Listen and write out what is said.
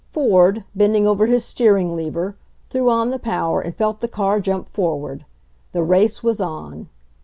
Ford, bending over his steering lever, threw on the power and felt the car jump forward. The race was on.